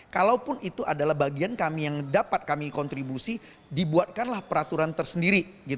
kalaupun itu adalah bagian kami yang dapat kami kontribusi dibuatkanlah peraturan tersendiri